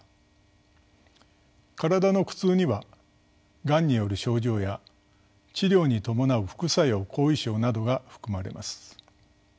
「身体の苦痛」にはがんによる症状や治療に伴う副作用・後遺症などが含まれます。